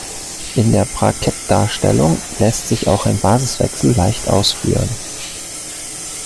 In der Bra-Ket-Darstellung lässt sich auch ein Basiswechsel leicht ausführen.